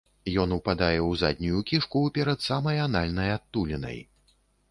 Ён упадае ў заднюю кішку перад самай анальнай адтулінай.